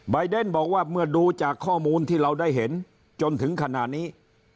เดนบอกว่าเมื่อดูจากข้อมูลที่เราได้เห็นจนถึงขณะนี้